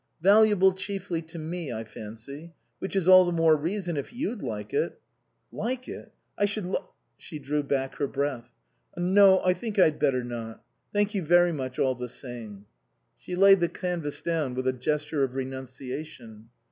" Valuable chiefly to me, I fancy. Which is all the more reason, if you'd like it " "Like it? I should lo " She drew back her breath. " No ; I think I'd better not. Thank you very much all the same." She laid the canvas down with a gesture of renunciation.